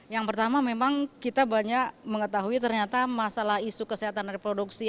yang pertama memang kita banyak mengetahui ternyata masalah isu kesehatan reproduksi